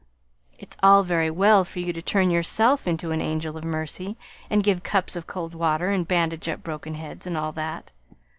It's all very well for you to turn yourself into an angel of mercy and give cups of cold water, and bandage up broken heads, and all that.